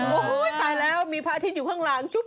โอ้โหตายแล้วมีพระอาทิตย์อยู่ข้างหลังจุ๊บ